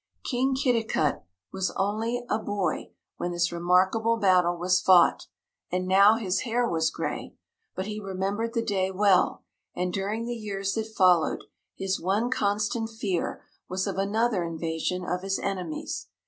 King Kitticut was only a boy when this remarkable battle was fought, and now his hair was gray; but he remembered the day well and, during the years that followed, his one constant fear was of another invasion of his enemies.